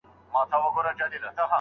ن.ا.قريشي.